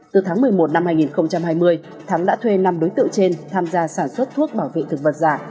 từ tháng một mươi một năm hai nghìn hai mươi thắm đã thuê năm đối tượng trên tham gia sản xuất thuốc bảo vệ thực vật giả